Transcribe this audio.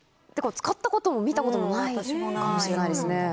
使ったことも見たこともないかもしれないですね。